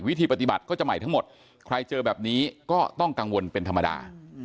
วิธีปฏิบัติก็จะใหม่ทั้งหมดใครเจอแบบนี้ก็ต้องกังวลเป็นธรรมดา